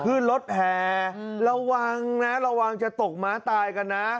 ขึ้นรถแห่ระวังนะระวังจะตกม้าตายกันนะ